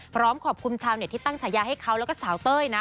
พร้อมขอบคุณชาวเน็ตที่ตั้งฉายาให้เขาแล้วก็สาวเต้ยนะ